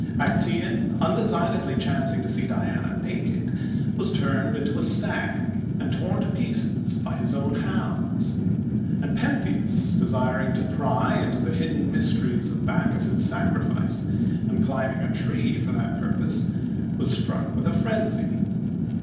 Acteon, undesignedly chancing to see Diana naked, was turned into a stag, and torn to pieces by his own hounds. And Pentheus, desiring to pry into the hidden mysteries of Bacchus's sacrifice, and climbing a tree for that purpose, was struck with a frenzy.